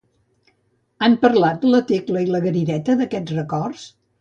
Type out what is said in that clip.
Han parlat la Tecla i la Garideta d'aquests records?